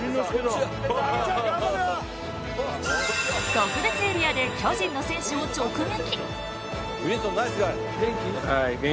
特別エリアで巨人の選手を直撃！